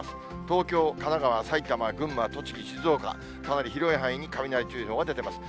東京、神奈川、埼玉、群馬、栃木、静岡、かなり広い範囲に、雷注意報が出ています。